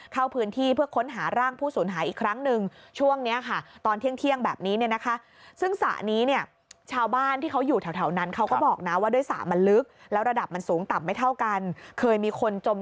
เข้าพื้นที่เพื่อค้นหาร่างผู้สูญหายอีกครั้งหนึ่ง